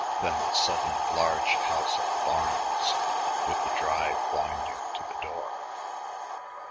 then the sudden large house at Barnes with the "drive" winding to the door....